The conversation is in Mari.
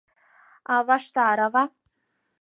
А Ваштарова?